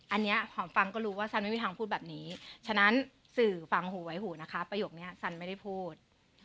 อันนี้หอมฟังก็รู้ว่าซันไม่มีทางพูดแบบนี้ฉะนั้นสื่อฟังหูไว้หูนะคะประโยคนี้ซันไม่ได้พูด